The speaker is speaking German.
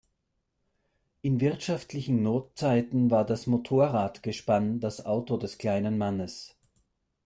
In wirtschaftlichen Notzeiten war das Motorradgespann das „Auto des kleinen Mannes“.